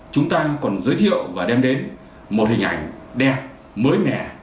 chúng ta còn giới thiệu và đem đến một hình ảnh đẹp mới mẻ